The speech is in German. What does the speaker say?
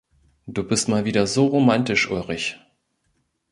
Du bist mal wieder so romantisch, Ulrich!